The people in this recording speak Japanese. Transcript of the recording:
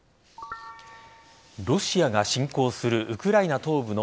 ロシアが侵攻するウクライナ東部の